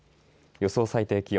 予想最低気温